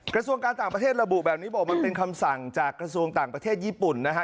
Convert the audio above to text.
กระทรวงการต่างประเทศระบุแบบนี้บอกมันเป็นคำสั่งจากกระทรวงต่างประเทศญี่ปุ่นนะฮะ